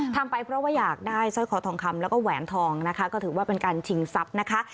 ทำไปเพราะว่าอยากได้สร้อยคอทองคำแล้วก็แหวนทองนะคะก็ถือว่าเป็นการชิงทรัพย์นะคะ